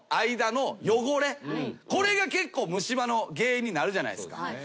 これが結構虫歯の原因になるじゃないですか。